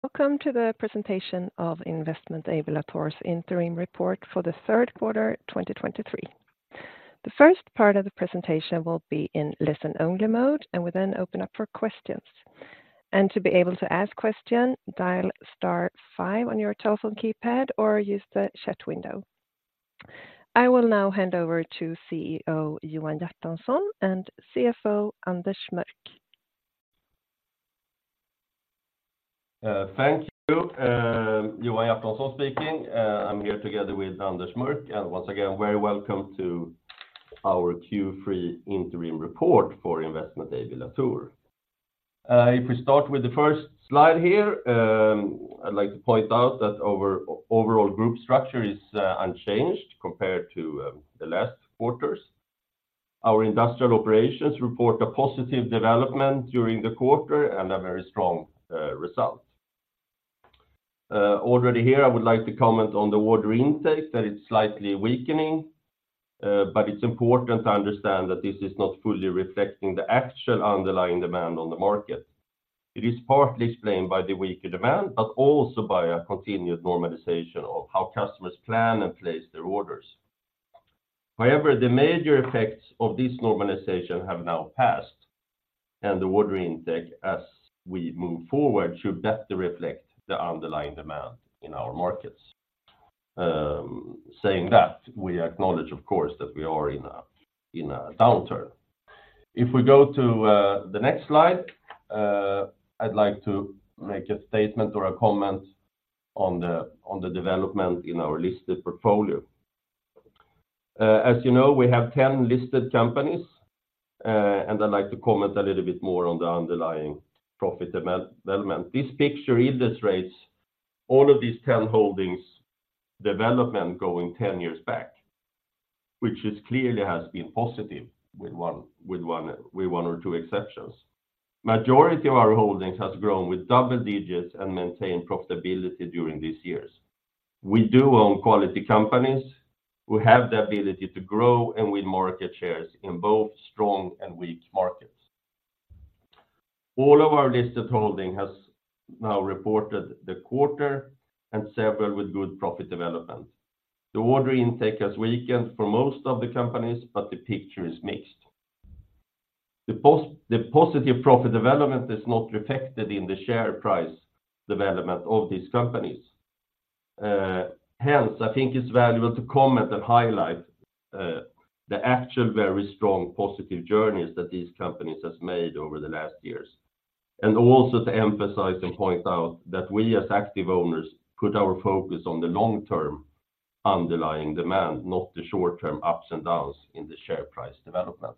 Welcome to the presentation of Investment AB Latour's interim report for the third quarter, 2023. The first part of the presentation will be in listen-only mode, and we then open up for questions. To be able to ask question, dial star five on your telephone keypad or use the chat window. I will now hand over to CEO Johan Hjertonsson and CFO, Anders Mörck. Thank you. Johan Hjertonsson speaking. I'm here together with Anders Mörck. And once again, very welcome to our Q3 interim report for Investment AB Latour. If we start with the first slide here, I'd like to point out that our overall group structure is unchanged compared to the last quarters. Our industrial operations report a positive development during the quarter and a very strong result. Already here, I would like to comment on the order intake, that it's slightly weakening, but it's important to understand that this is not fully reflecting the actual underlying demand on the market. It is partly explained by the weaker demand, but also by a continued normalization of how customers plan and place their orders. However, the major effects of this normalization have now passed, and the order intake, as we move forward, should better reflect the underlying demand in our markets. Saying that, we acknowledge, of course, that we are in a downturn. If we go to the next slide, I'd like to make a statement or a comment on the development in our listed portfolio. As you know, we have 10 listed companies, and I'd like to comment a little bit more on the underlying profit development. This picture illustrates all of these 10 holdings development going 10 years back, which clearly has been positive with one or two exceptions. Majority of our holdings has grown with double digits and maintained profitability during these years. We do own quality companies who have the ability to grow and win market shares in both strong and weak markets. All of our listed holding has now reported the quarter and several with good profit development. The order intake has weakened for most of the companies, but the picture is mixed. The positive profit development is not reflected in the share price development of these companies. Hence, I think it's valuable to comment and highlight the actual, very strong positive journeys that these companies have made over the last years. And also to emphasize and point out that we, as active owners, put our focus on the long-term underlying demand, not the short-term ups and downs in the share price development.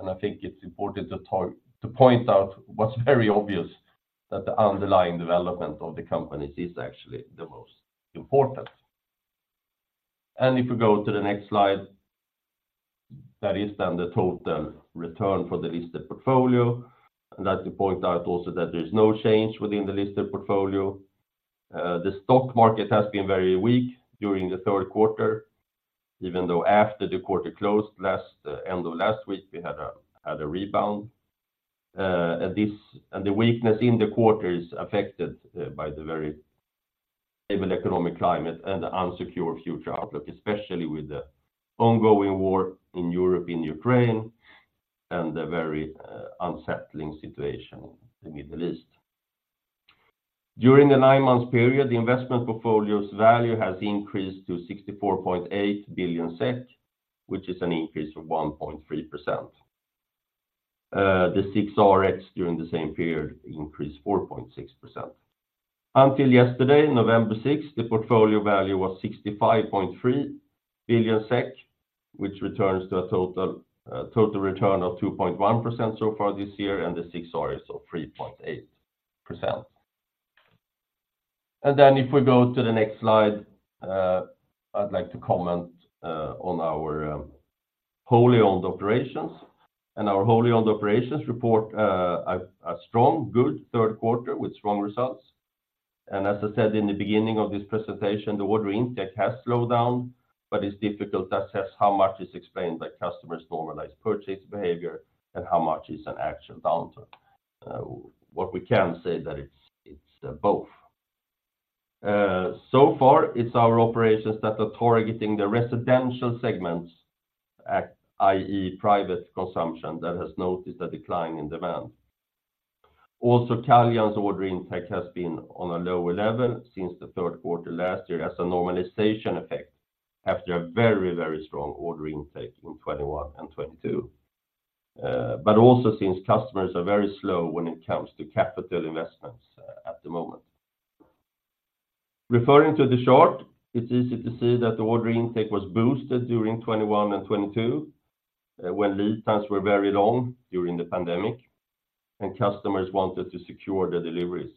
And I think it's important to talk, to point out what's very obvious, that the underlying development of the companies is actually the most important. If we go to the next slide, that is then the total return for the listed portfolio. I'd like to point out also that there's no change within the listed portfolio. The stock market has been very weak during the third quarter, even though after the quarter closed last, end of last week, we had a rebound. And the weakness in the quarter is affected by the very unstable economic climate and the insecure future outlook, especially with the ongoing war in Europe, in Ukraine, and the very unsettling situation in the Middle East. During the nine-month period, the investment portfolio's value has increased to 64.8 billion SEK, which is an increase of 1.3%. The SIXRX, during the same period, increased 4.6%. Until yesterday, November 6, the portfolio value was 65.3 billion SEK, which returns to a total return of 2.1% so far this year, and the SIXRX of 3.8%. Then if we go to the next slide, I'd like to comment on our wholly owned operations. Our wholly owned operations report a strong, good third quarter with strong results. As I said in the beginning of this presentation, the order intake has slowed down, but it's difficult to assess how much is explained by customers' normalized purchase behavior and how much is an actual downturn. What we can say that it's both. So far, it's our operations that are targeting the residential segments at, i.e., private consumption, that has noticed a decline in demand. Also, Caljan's order intake has been on a low level since the third quarter last year as a normalization effect after a very, very strong order intake in 2021 and 2022. But also since customers are very slow when it comes to capital investments at the moment. Referring to the chart, it's easy to see that the order intake was boosted during 2021 and 2022, when lead times were very long during the pandemic and customers wanted to secure their deliveries.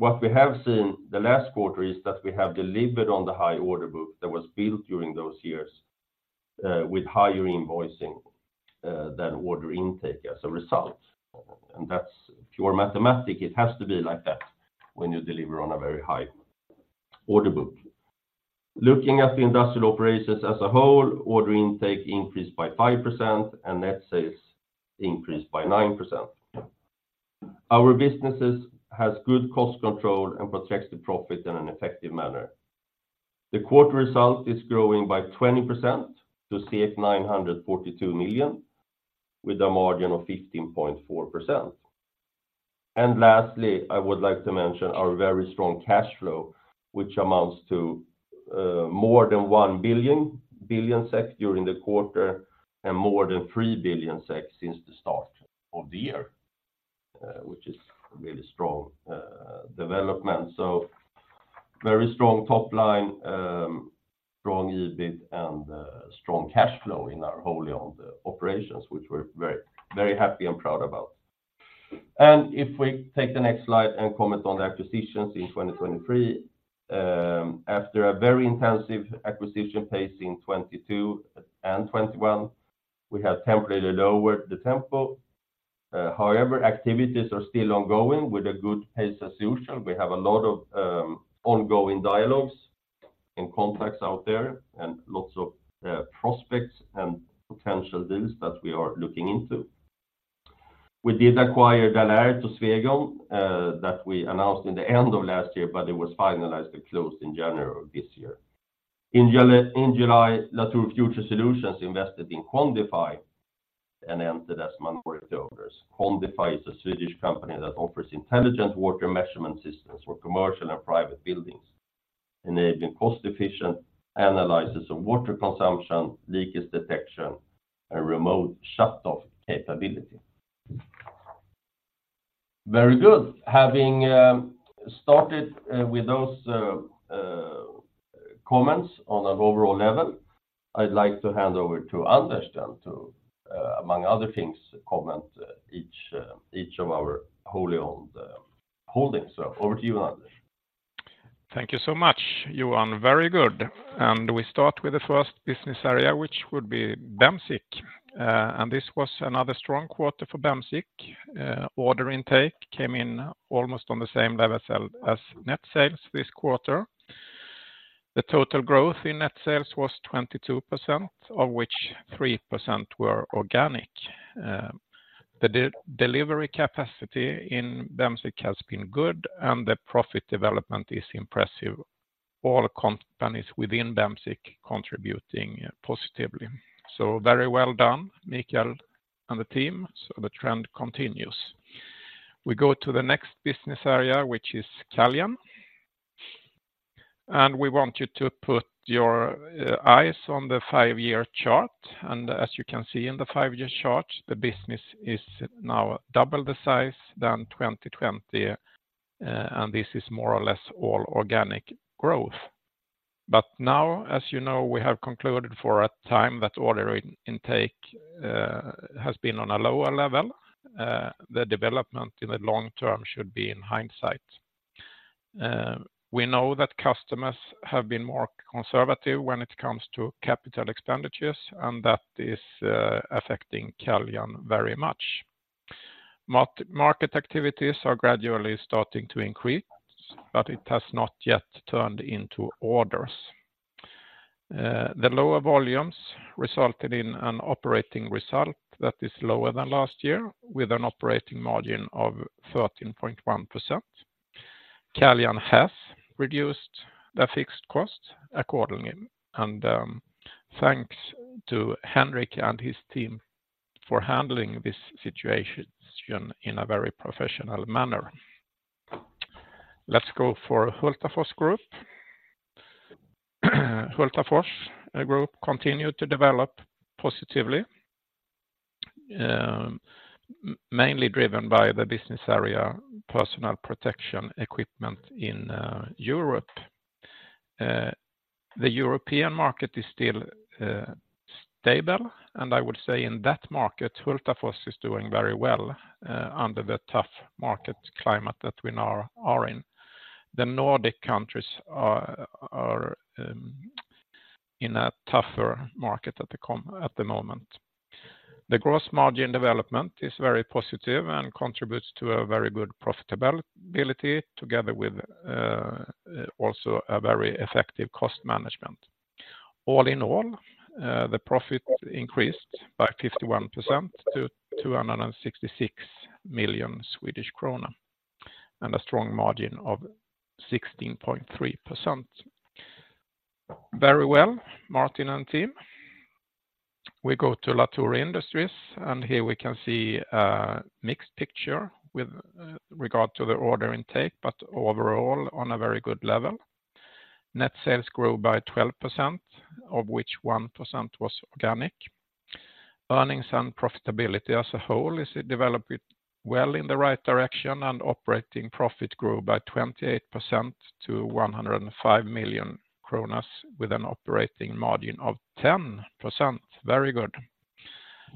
What we have seen the last quarter is that we have delivered on the high order book that was built during those years, with higher invoicing than order intake as a result. And that's, if you are mathematical, it has to be like that when you deliver on a very high order book... Looking at the industrial operations as a whole, order intake increased by 5%, and net sales increased by 9%. Our businesses has good cost control and protects the profit in an effective manner. The quarter result is growing by 20% to 942 million, with a margin of 15.4%. And lastly, I would like to mention our very strong cash flow, which amounts to more than 1 billion SEK during the quarter, and more than 3 billion SEK since the start of the year, which is a really strong development. So very strong top line, strong EBIT, and strong cash flow in our wholly owned operations, which we're very, very happy and proud about. If we take the next slide and comment on the acquisitions in 2023, after a very intensive acquisition pace in 2022 and 2021, we have tempered the tempo. However, activities are still ongoing with a good pace assumption. We have a lot of ongoing dialogues and contacts out there, and lots of prospects and potential deals that we are looking into. We did acquire Dalair to Swegon, that we announced in the end of last year, but it was finalized and closed in January of this year. In July, Latour Future Solutions invested in Quandify and entered as minority owners. Quandify is a Swedish company that offers intelligent water measurement systems for commercial and private buildings, enabling cost-efficient analysis of water consumption, leakage detection, and remote shutoff capability. Very good. Having started with those comments on an overall level, I'd like to hand over to Anders then to, among other things, comment each of our wholly owned holdings. So over to you, Anders. Thank you so much, Johan. Very good. We start with the first business area, which would be Bemsiq. This was another strong quarter for Bemsiq. Order intake came in almost on the same level as net sales this quarter. The total growth in net sales was 22%, of which 3% were organic. The delivery capacity in Bemsiq has been good, and the profit development is impressive. All companies within Bemsiq contributing positively. So very well done, Mikael and the team, so the trend continues. We go to the next business area, which is Caljan, and we want you to put your eyes on the five-year chart. As you can see in the five-year chart, the business is now double the size than 2020, and this is more or less all organic growth. But now, as you know, we have concluded for a time that order intake has been on a lower level. The development in the long term should be in hindsight. We know that customers have been more conservative when it comes to capital expenditures, and that is affecting Caljan very much. Market activities are gradually starting to increase, but it has not yet turned into orders. The lower volumes resulted in an operating result that is lower than last year, with an operating margin of 13.1%. Caljan has reduced the fixed cost accordingly, and thanks to Henrik and his team for handling this situation in a very professional manner. Let's go for Hultafors Group. Hultafors Group continued to develop positively, mainly driven by the business area, personal protection equipment in Europe. The European market is still stable, and I would say in that market, Hultafors is doing very well under the tough market climate that we now are in. The Nordic countries are in a tougher market at the moment. The gross margin development is very positive and contributes to a very good profitability, together with also a very effective cost management. All in all, the profit increased by 51% to 266 million Swedish krona, and a strong margin of 16.3%. Very well, Martin and team. We go to Latour Industries, and here we can see a mixed picture with regard to the order intake, but overall, on a very good level. Net sales grew by 12%, of which 1% was organic. Earnings and profitability as a whole is developing well in the right direction, and operating profit grew by 28% to 105 million kronor, with an operating margin of 10%. Very good.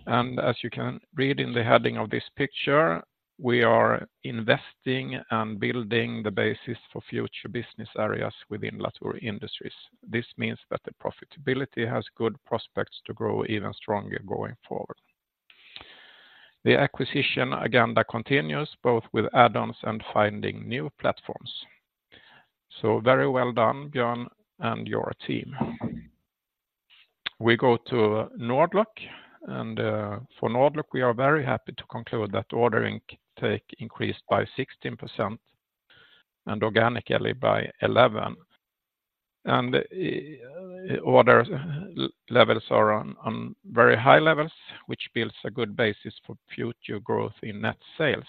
As you can read in the heading of this picture, we are investing and building the basis for future business areas within Latour Industries. This means that the profitability has good prospects to grow even stronger going forward... The acquisition agenda continues both with add-ons and finding new platforms. So very well done, Björn, and your team. We go to Nord-Lock, and for Nord-Lock, we are very happy to conclude that order intake increased by 16% and organically by 11%. Order levels are on very high levels, which builds a good basis for future growth in net sales.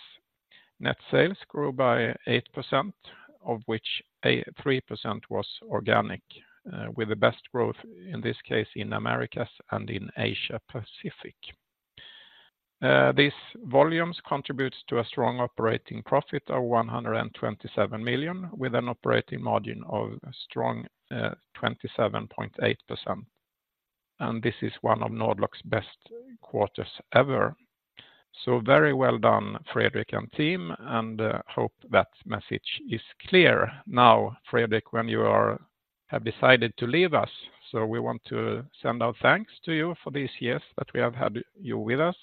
Net sales grew by 8%, of which 3% was organic, with the best growth, in this case, in Americas and in Asia Pacific. These volumes contributes to a strong operating profit of 127 million, with an operating margin of strong 27.8%. And this is one of Nord-Lock's best quarters ever. So very well done, Fredrik and team, and hope that message is clear now, Fredrik, when you have decided to leave us. So we want to send our thanks to you for these years that we have had you with us.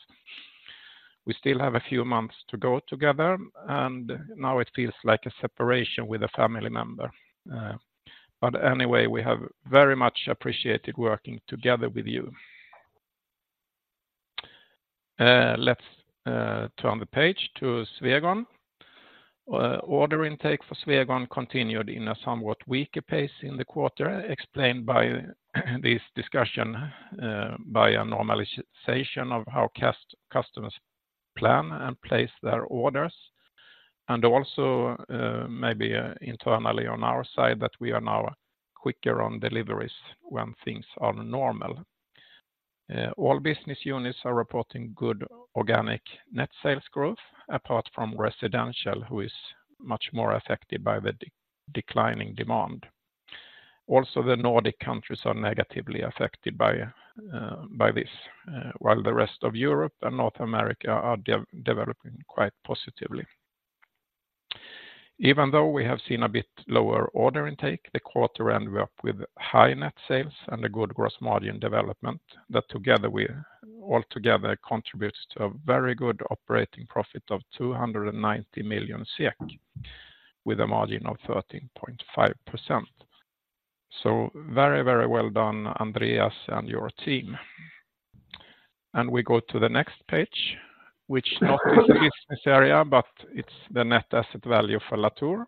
We still have a few months to go together, and now it feels like a separation with a family member. But anyway, we have very much appreciated working together with you. Let's turn the page to Swegon. Order intake for Swegon continued in a somewhat weaker pace in the quarter, explained by this discussion, by a normalization of how customers plan and place their orders, and also, maybe internally on our side, that we are now quicker on deliveries when things are normal. All business units are reporting good organic net sales growth, apart from residential, who is much more affected by the declining demand. Also, the Nordic countries are negatively affected by this, while the rest of Europe and North America are developing quite positively. Even though we have seen a bit lower order intake, the quarter end we up with high net sales and a good gross margin development, that together altogether contributes to a very good operating profit of 290 million SEK, with a margin of 13.5%. So very, very well done, Andreas, and your team. We go to the next page, which not a business area, but it's the net asset value for Latour,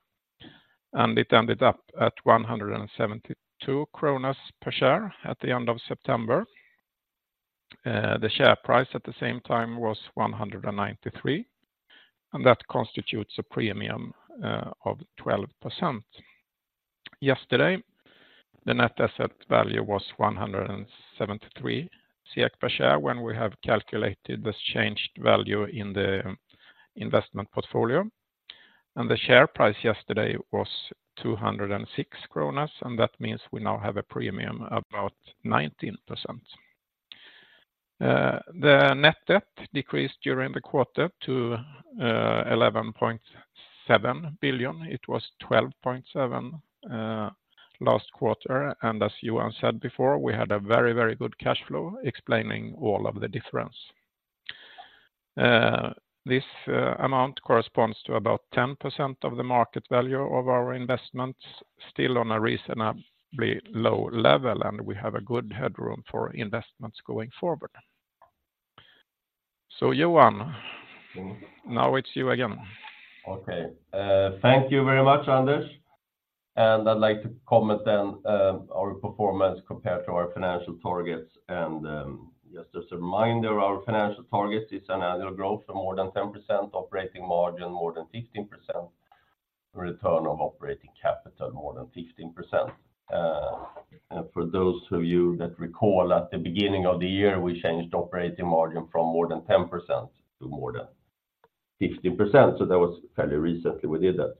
and it ended up at 172 kronor per share at the end of September. The share price at the same time was 193, and that constitutes a premium of 12%. Yesterday, the net asset value was 173 per share when we have calculated this changed value in the investment portfolio, and the share price yesterday was 206 kronor, and that means we now have a premium about 19%. The net debt decreased during the quarter to 11.7 billion. It was 12.7 last quarter, and as Johan said before, we had a very, very good cash flow explaining all of the difference. This amount corresponds to about 10% of the market value of our investments, still on a reasonably low level, and we have a good headroom for investments going forward. So Johan, now it's you again. Okay, thank you very much, Anders. I'd like to comment on our performance compared to our financial targets. Just as a reminder, our financial targets is an annual growth of more than 10%, operating margin more than 15%, return on operating capital more than 15%. For those of you that recall, at the beginning of the year, we changed operating margin from more than 10% to more than 15%, so that was fairly recently we did that.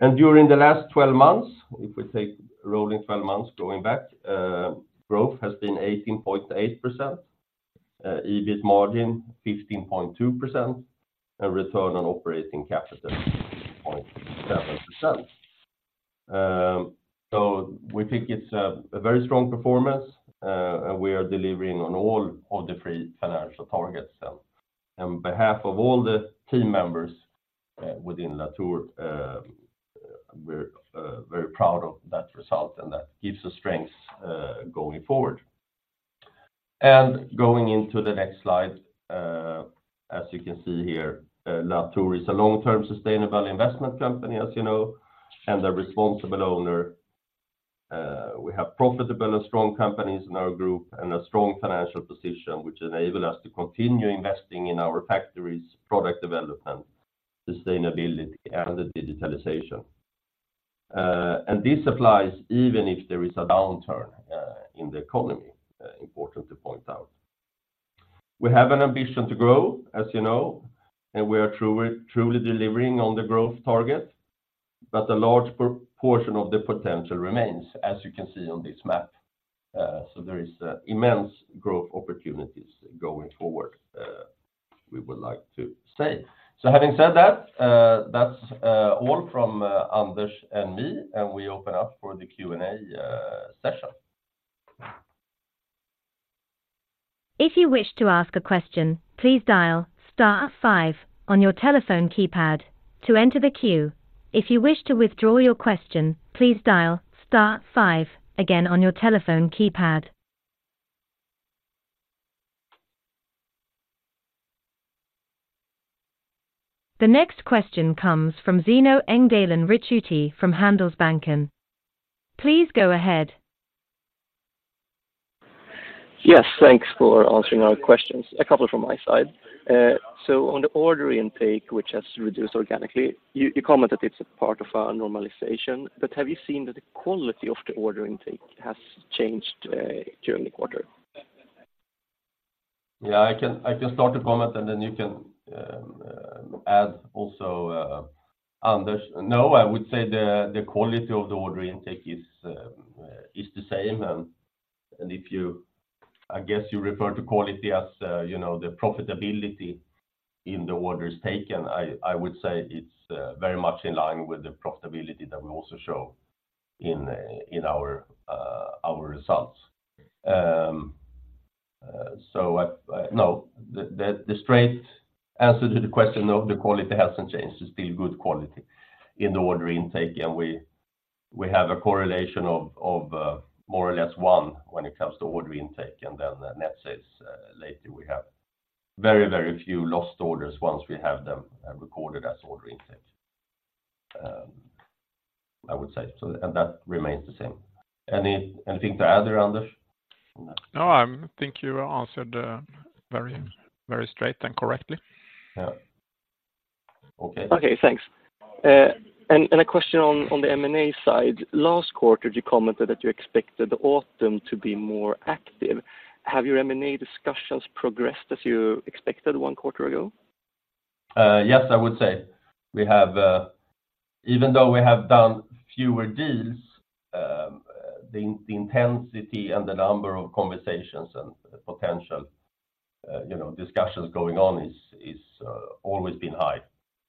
During the last 12 months, if we take rolling 12 months going back, growth has been 18.8%, EBIT margin 15.2%, and return on operating capital 17%. So we think it's a very strong performance, and we are delivering on all of the three financial targets. On behalf of all the team members within Latour, we're very proud of that result, and that gives us strength going forward. Going into the next slide, as you can see here, Latour is a long-term, sustainable investment company, as you know, and a responsible owner. We have profitable and strong companies in our group and a strong financial position, which enable us to continue investing in our factories, product development, sustainability, and the digitalization. This applies even if there is a downturn in the economy, important to point out. We have an ambition to grow, as you know, and we are truly, truly delivering on the growth target, but a large portion of the potential remains, as you can see on this map. There is immense growth opportunities going forward, we would like to say. Having said that, that's all from Anders and me, and we open up for the Q&A session.... If you wish to ask a question, please dial star five on your telephone keypad to enter the queue. If you wish to withdraw your question, please dial star five again on your telephone keypad. The next question comes from Zino Engdalen Ricciuti from Handelsbanken. Please go ahead. Yes, thanks for answering our questions. A couple from my side. So on the order intake, which has reduced organically, you commented it's a part of a normalization, but have you seen that the quality of the order intake has changed during the quarter? Yeah, I can, I can start to comment, and then you can add also, Anders. No, I would say the quality of the order intake is the same. And if you, I guess you refer to quality as, you know, the profitability in the orders taken, I would say it's very much in line with the profitability that we also show in our results. So no, the straight answer to the question, no, the quality hasn't changed. It's still good quality in the order intake, and we have a correlation of more or less one when it comes to order intake, and then the net sales later. We have very, very few lost orders once we have them recorded as order intake, I would say. And that remains the same. Anything to add there, Anders? No, I think you answered very, very straight and correctly. Yeah. Okay. Okay, thanks. And a question on the M&A side. Last quarter, you commented that you expected the autumn to be more active. Have your M&A discussions progressed as you expected one quarter ago? Yes, I would say. We have even though we have done fewer deals, the intensity and the number of conversations and potential, you know, discussions going on is always been high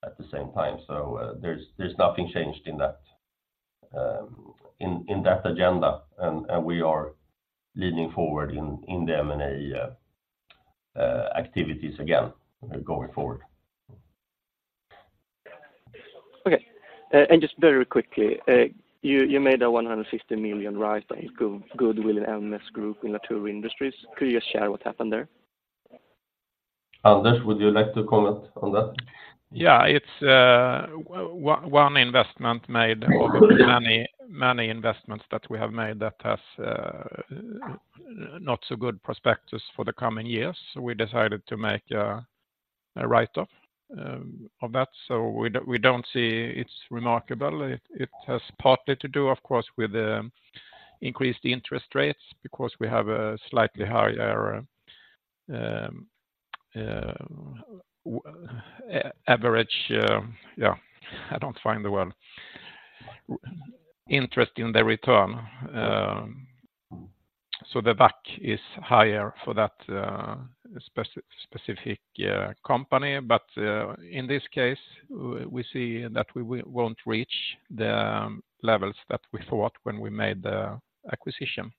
at the same time, so there's nothing changed in that, in that agenda, and we are leaning forward in the M&A activities again, going forward. Okay. And just very quickly, you made a 150 million write-down of goodwill in LMS in Latour Industries. Could you just share what happened there? Anders, would you like to comment on that? Yeah, it's one investment made, of many, many investments that we have made that has not so good prospects for the coming years. So we decided to make a write-off of that, so we don't see it's remarkable. It has partly to do, of course, with the increased interest rates, because we have a slightly higher average. Yeah, I don't find the word. Interest in the return. So the bar is higher for that specific company, but in this case, we see that we won't reach the levels that we thought when we made the acquisition,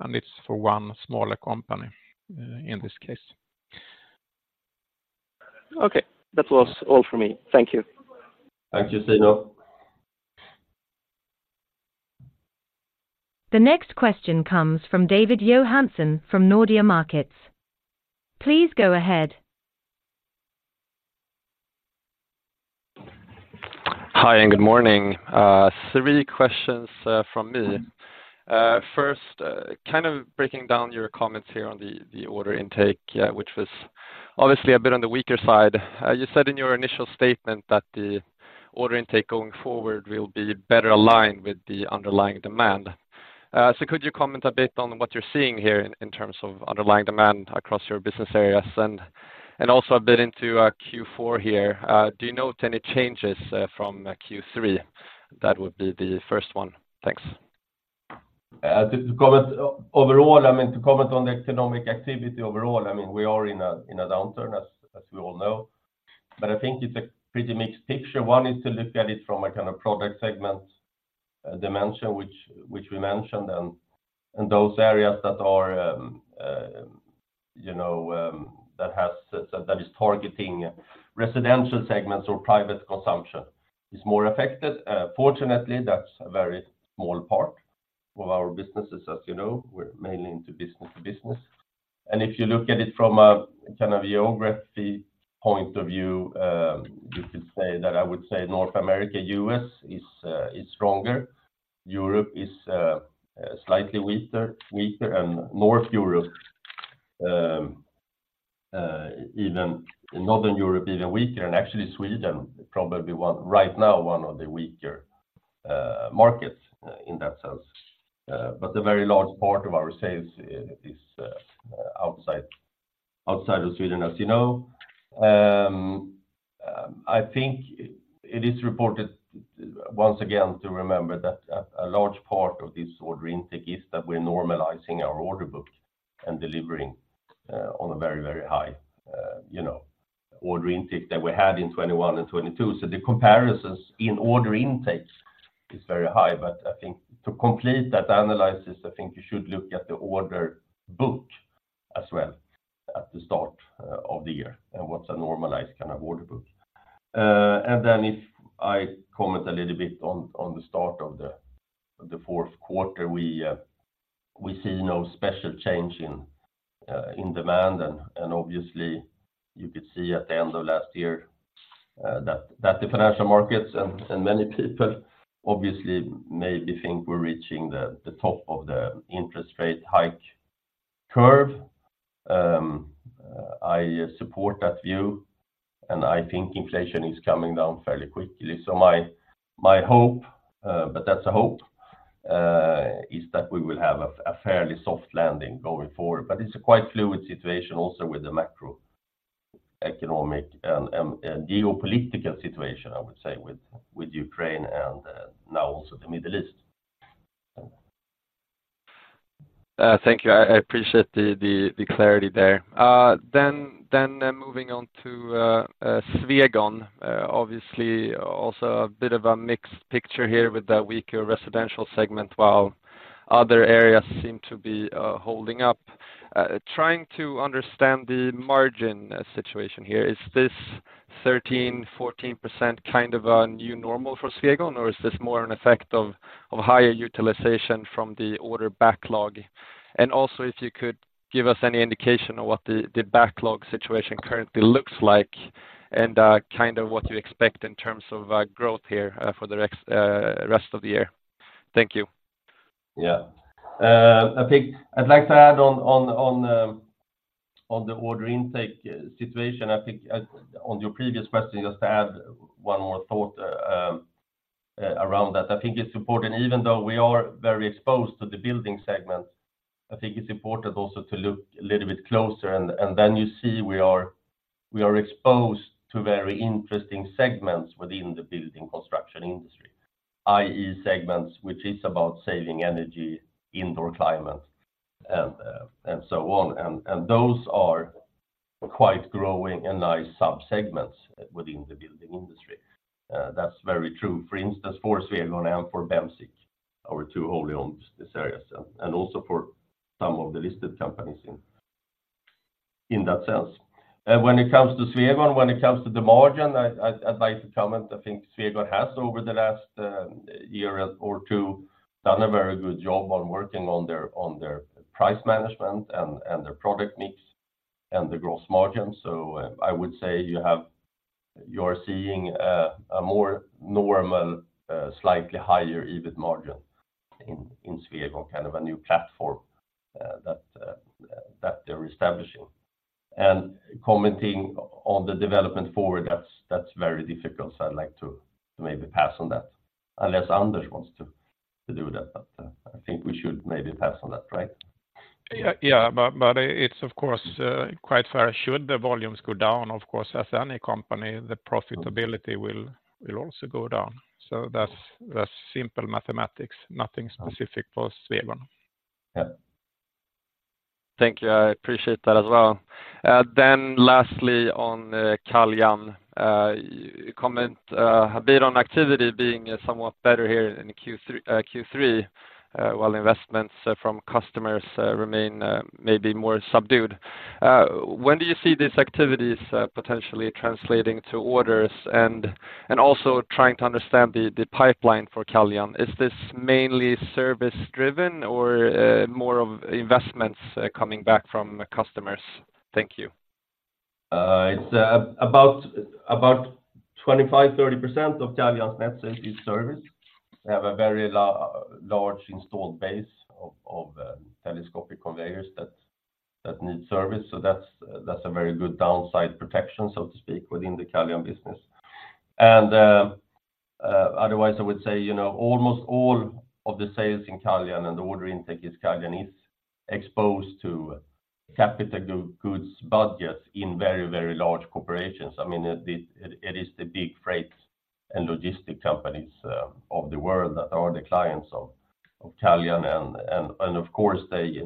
and it's for one smaller company in this case. Okay, that was all for me. Thank you. Thank you, Zino. The next question comes from David Johansson from Nordea Markets. Please go ahead. Hi, and good morning. Three questions from me. First, kind of breaking down your comments here on the order intake, which was obviously a bit on the weaker side. You said in your initial statement that the order intake going forward will be better aligned with the underlying demand. So could you comment a bit on what you're seeing here in terms of underlying demand across your business areas? And also a bit into our Q4 here, do you note any changes from Q3? That would be the first one. Thanks. To comment overall, I mean, to comment on the economic activity overall, I mean, we are in a downturn, as we all know, but I think it's a pretty mixed picture. One is to look at it from a kind of product segment dimension, which we mentioned, and those areas that are, you know, that is targeting residential segments or private consumption is more affected. Fortunately, that's a very small part of our businesses. As you know, we're mainly into business to business. And if you look at it from a kind of geography point of view, you could say that I would say North America, U.S., is stronger. Europe is slightly weaker, and North Europe, even Northern Europe is even weaker, and actually, Sweden, probably one, right now, one of the weaker markets in that sense. But a very large part of our sales is outside of Sweden, as you know. I think it is reported once again to remember that a large part of this order intake is that we're normalizing our order book and delivering on a very high, you know, order intake that we had in 2021 and 2022. So the comparisons in order intakes is very high, but I think to complete that analysis, I think you should look at the order book as well at the start of the year, and what's a normalized kind of order book. And then if I comment a little bit on the start of the fourth quarter, we see no special change in demand, and obviously, you could see at the end of last year that the financial markets and many people obviously maybe think we're reaching the top of the interest rate hike curve. I support that view, and I think inflation is coming down fairly quickly. So my hope, but that's a hope, is that we will have a fairly soft landing going forward. But it's a quite fluid situation also with the macroeconomic and geopolitical situation, I would say, with Ukraine and now also the Middle East. Thank you. I appreciate the clarity there. Then moving on to Swegon. Obviously, also a bit of a mixed picture here with the weaker residential segment, while other areas seem to be holding up. Trying to understand the margin situation here. Is this 13-14% kind of a new normal for Swegon, or is this more an effect of higher utilization from the order backlog? And also, if you could give us any indication on what the backlog situation currently looks like, and kind of what you expect in terms of growth here for the next rest of the year. Thank you. Yeah. I think I'd like to add on the order intake situation. I think on your previous question, just to add one more thought around that. I think it's important, even though we are very exposed to the building segment. I think it's important also to look a little bit closer, and then you see we are exposed to very interesting segments within the building construction industry, i.e., segments which is about saving energy, indoor climate, and so on. And those are quite growing and nice subsegments within the building industry. That's very true. For instance, for Swegon and for Bemsiq, our two wholly owned areas, and also for some of the listed companies in that sense. When it comes to Swegon, when it comes to the margin, I, I'd like to comment. I think Swegon has, over the last, year or two, done a very good job on working on their, on their price management and, and their product mix and the gross margin. So I would say you have—you're seeing, a more normal, slightly higher EBIT margin in, in Swegon, kind of a new platform, that, that they're establishing. And commenting on the development forward, that's, that's very difficult, so I'd like to maybe pass on that, unless Anders wants to, to do that, but, I think we should maybe pass on that, right? Yeah, yeah. But it's of course quite fair. Should the volumes go down, of course, as any company, the profitability will also go down. So that's simple mathematics, nothing specific for Swegon. Yeah. Thank you. I appreciate that as well. Then lastly, on Caljan, you comment a bit on activity being somewhat better here in Q3, while investments from customers remain maybe more subdued. When do you see these activities potentially translating to orders? And also trying to understand the pipeline for Caljan, is this mainly service driven or more of investments coming back from customers? Thank you. It's about 25-30% of Caljan's net sales is service. They have a very large installed base of telescopic conveyors that need service, so that's a very good downside protection, so to speak, within the Caljan business. Otherwise, I would say, you know, almost all of the sales in Caljan and the order intake in Caljan is exposed to capital goods budgets in very, very large corporations. I mean, it is the big freight and logistics companies of the world that are the clients of Caljan. And of course, they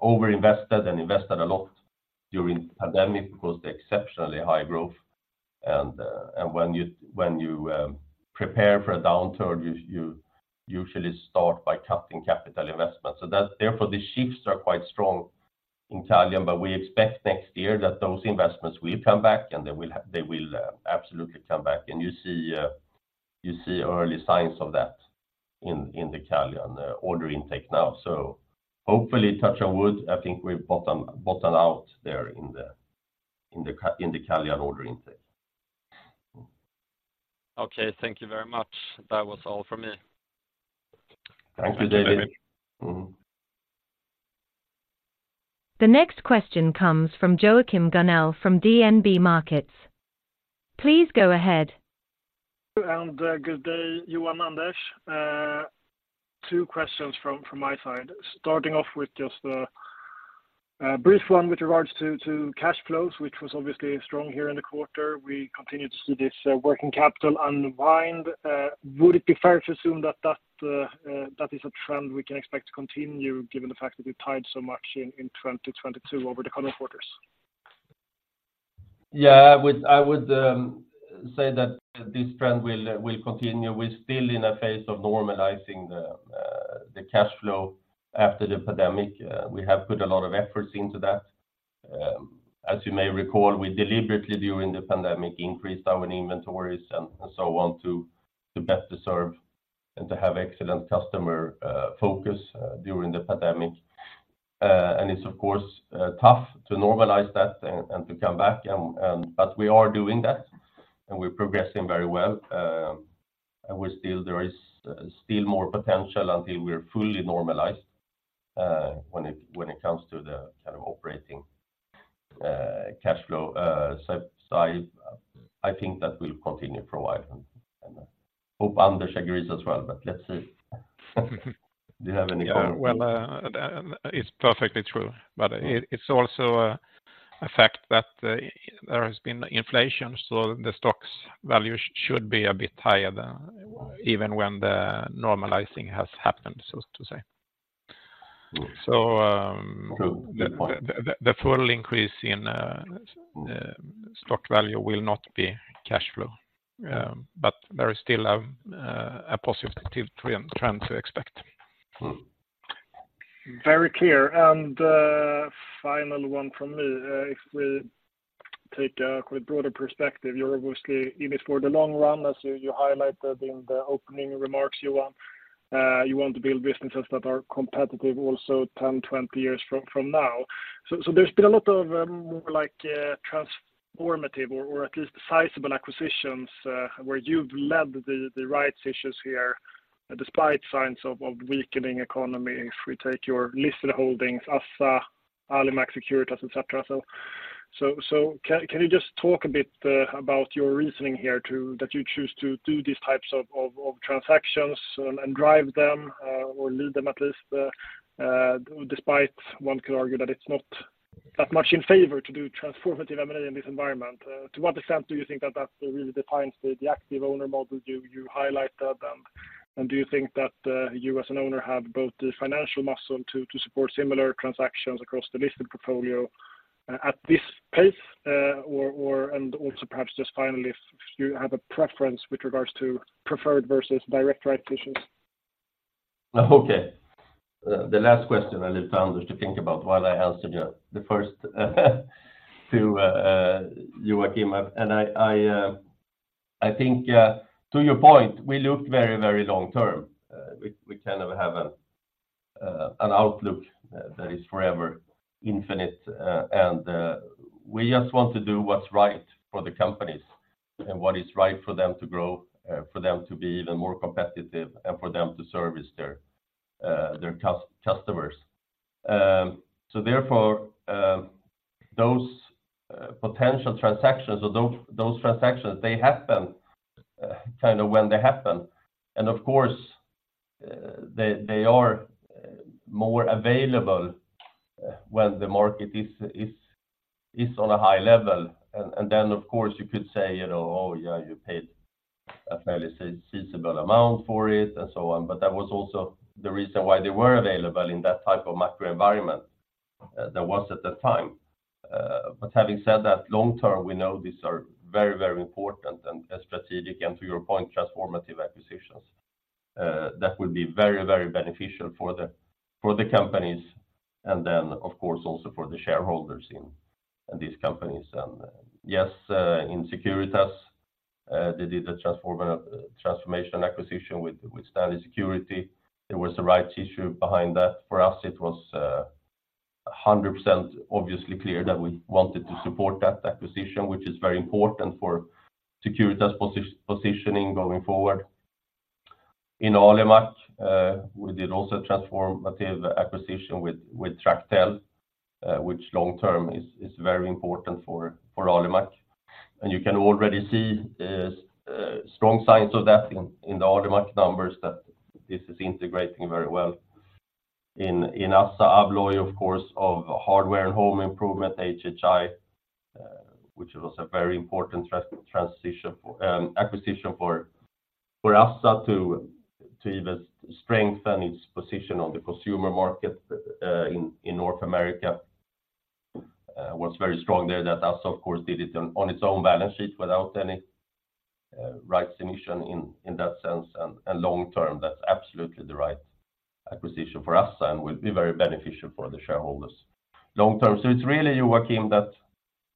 overinvested and invested a lot during the pandemic because the exceptionally high growth, and when you prepare for a downturn, you usually start by cutting capital investment. So that therefore, the shifts are quite strong in Caljan, but we expect next year that those investments will come back, and they will absolutely come back. And you see, you see early signs of that in, in the Caljan order intake now. So hopefully, touch on wood, I think we've bottomed out there in the, in the Caljan order intake. Okay. Thank you very much. That was all from me. Thank you, David. Thank you, David. Mm. The next question comes from Joachim Gunell from DNB Markets. Please go ahead. Good day, Johan and Anders. Two questions from my side. Starting off with just a brief one with regards to cash flows, which was obviously strong here in the quarter. We continued to see this working capital unwind. Would it be fair to assume that that is a trend we can expect to continue, given the fact that we tied so much in 2022 over the coming quarters?... Yeah, I would say that this trend will continue. We're still in a phase of normalizing the cash flow after the pandemic. We have put a lot of efforts into that. As you may recall, we deliberately, during the pandemic, increased our inventories and so on to best serve and to have excellent customer focus during the pandemic. And it's, of course, tough to normalize that and to come back, but we are doing that, and we're progressing very well. And we're still. There is still more potential until we're fully normalized, when it comes to the kind of operating cash flow. So I think that will continue for a while, and I hope Anders agrees as well, but let's see. Do you have any comment? Yeah, well, it's perfectly true, but it's also a fact that there has been inflation, so the stock's value should be a bit higher than even when the normalizing has happened, so to say. Mm. So, um- True. The full increase in stock value will not be cash flow. But there is still a positive trend to expect. Mm. Very clear. Final one from me. If we take a quite broader perspective, you're obviously in it for the long run, as you highlighted in the opening remarks, Johan. You want to build businesses that are competitive also 10, 20 years from now. So there's been a lot of more like transformative or at least sizable acquisitions, where you've led the rights issues here, despite signs of weakening economy, if we take your listed holdings, ASSA, Alimak, Securitas, et cetera. So can you just talk a bit about your reasoning here, too, that you choose to do these types of transactions and drive them or lead them at least, despite one could argue that it's not that much in favor to do transformative M&A in this environment? To what extent do you think that really defines the active owner model you highlighted? And do you think that you, as an owner, have both the financial muscle to support similar transactions across the listed portfolio at this pace? And also, perhaps just finally, if you have a preference with regards to preferred versus direct rights issues. Okay. The last question I leave to Anders to think about while I answer the first to Joachim. And I think to your point, we look very, very long term. We kind of have an outlook that is forever infinite, and we just want to do what's right for the companies and what is right for them to grow, for them to be even more competitive, and for them to service their customers. So therefore, those potential transactions or those transactions, they happen kind of when they happen. And of course, they are more available when the market is on a high level. And then, of course, you could say, you know, "Oh, yeah, you paid a fairly sizable amount for it," and so on. But that was also the reason why they were available in that type of macro environment there was at that time. But having said that, long term, we know these are very, very important and strategic, and to your point, transformative acquisitions that will be very, very beneficial for the companies and then, of course, also for the shareholders in these companies. And yes, in Securitas, they did a transformative acquisition with Stanley Security. There was the rights issue behind that. For us, it was 100% obviously clear that we wanted to support that acquisition, which is very important for Securitas positioning going forward. In Alimak, we did also transformative acquisition with Tractel, which long term is very important for Alimak. You can already see strong signs of that in the Alimak numbers, that this is integrating very well. In ASSA ABLOY, of course, of Hardware and Home Improvement, HHI, which was a very important transition, acquisition for ASSA to even strengthen its position on the consumer market in North America. It was very strong there, that ASSA, of course, did it on its own balance sheet without any rights emission in that sense. Long term, that's absolutely the right acquisition for us and will be very beneficial for the shareholders long term. So it's really, Joachim, that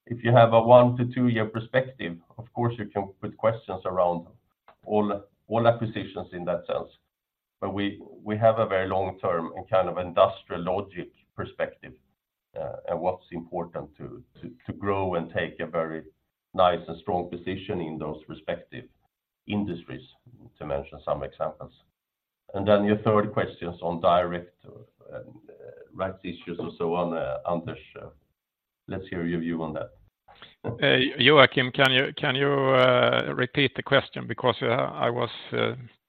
if you have a one-to-two-year perspective, of course, you can put questions around all acquisitions in that sense. But we have a very long-term and kind of industrial logic perspective, and what's important to grow and take a very nice and strong position in those respective industries, to mention some examples. And then your third questions on direct rights issues and so on, Anders, let's hear your view on that. Joachim, can you repeat the question? Because I was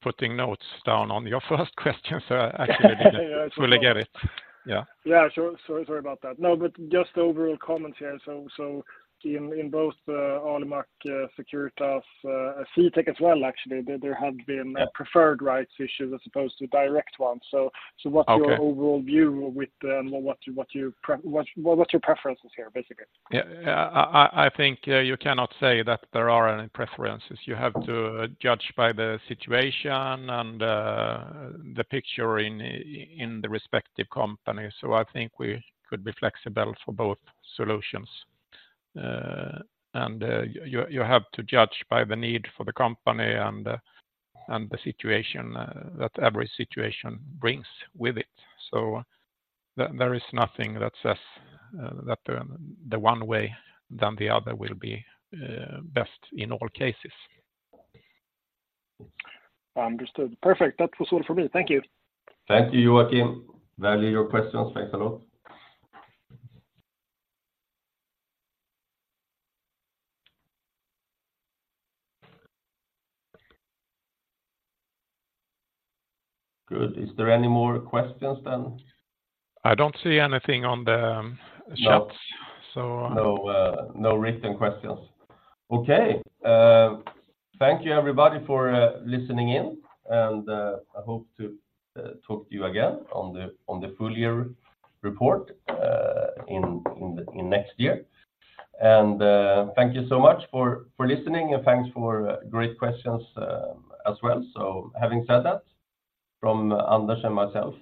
putting notes down on your first question, so I actually didn't- Yeah. Fully get it. Yeah. Yeah, sure. Sorry, sorry about that. No, but just the overall comment here. So in both Alimak, Securitas, CTEK as well, actually, there have been- Yeah... preferred rights issues as opposed to direct ones. So, what's- Okay... your overall view with them? What's your preferences here, basically? Yeah. I think you cannot say that there are any preferences. You have to judge by the situation and the picture in the respective company. So I think we could be flexible for both solutions. And you have to judge by the need for the company and the situation that every situation brings with it. So there is nothing that says that the one way than the other will be best in all cases. Understood. Perfect. That was all for me. Thank you. Thank you, Joachim. Value your questions. Thanks a lot. Good. Is there any more questions, then? I don't see anything on the chat- No... so. No, no written questions. Okay. Thank you, everybody, for listening in, and I hope to talk to you again on the full year report in the next year. Thank you so much for listening, and thanks for great questions, as well. So having said that, from Anders and myself,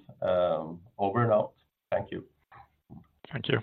over and out. Thank you. Thank you.